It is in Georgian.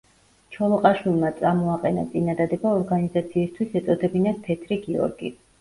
ჩოლოყაშვილმა წამოაყენა წინადადება ორგანიზაციისთვის ეწოდებინათ „თეთრი გიორგი“.